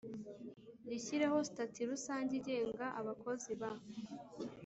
rishyiraho Sitati Rusange igenga Abakozi ba